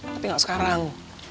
nanti gak sekarang